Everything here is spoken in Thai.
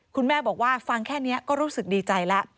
คุณแม่บอกว่าฟังแค่นี้ก็รู้สึกดีใจแล้ว